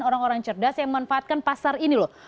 orang orang cerdas yang memanfaatkan pasar ini loh